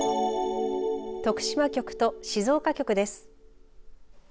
徳島局と静岡局です。